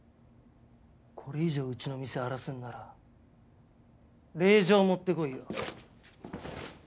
これ以上うちの店荒らすんなら令状持って来いよ。